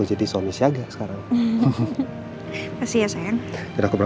iya pak siap